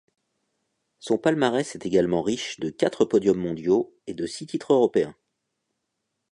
Son palmarès est également riche de quatre podiums mondiaux et de six titres européens.